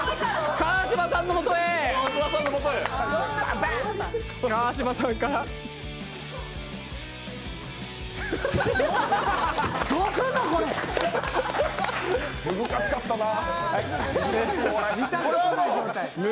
川島さんが難しかったなぁ。